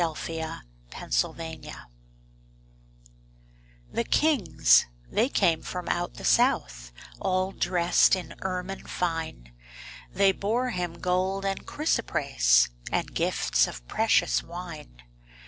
Christmas Carol The kings they came from out the south, All dressed in ermine fine, They bore Him gold and chrysoprase, And gifts of precious wine.